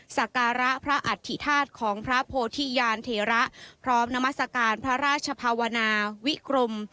สการะพระอัฐิธาตุของพระโพธิญาณเทระพร้อมนามัศกาลพระราชภาวนาวิกรม